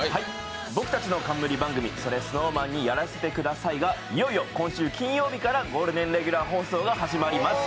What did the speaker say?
僕たちの冠番組「それＳｎｏｗＭａｎにやらせて下さい」がいよいよ今週金曜日からゴールデンレギュラー放送が始まります。